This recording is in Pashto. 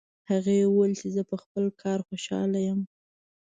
هغې وویل چې زه په خپل کار خوشحاله یم